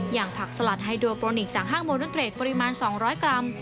อย่างผักสลัดไฮโดโปรนิคจากห้างโมนุเตรดปริมาณ๒๐๐กรัม